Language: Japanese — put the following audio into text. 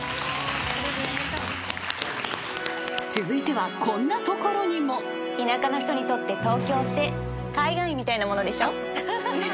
［続いてはこんなところにも］田舎の人にとって東京って海外みたいなものでしょ。